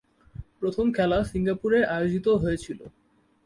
প্রথম খেলা সিঙ্গাপুরে আয়োজিত হয়েছিল।